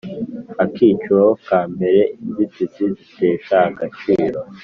Akiciro kambere Inzitizi zitesha agaciro